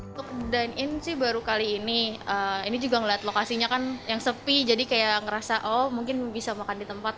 untuk dine in sih baru kali ini ini juga ngeliat lokasinya kan yang sepi jadi kayak ngerasa oh mungkin bisa makan di tempat